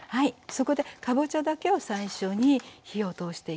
そこでかぼちゃだけを最初に火を通していきます。